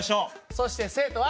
そして生徒は。